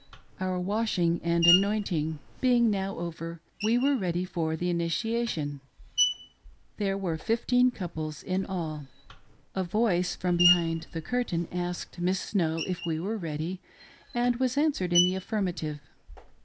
Our washing and anointed being now over, we were ready for the initiation — there were about fifteen couples in all. A voice from behind the curtain asked Miss Snow if we were ready, and was answered in the affirmative.